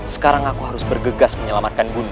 sekarang aku harus bergegas menyelamatkan bunda